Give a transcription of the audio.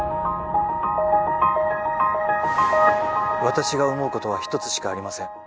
私が思うことは一つしかありません